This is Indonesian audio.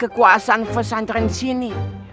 ke kuasaan percentier disini